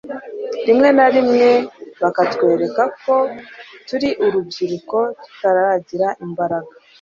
rimwe na rimwe bakatwereka ko turi urubyiruko tutaragira imbaraga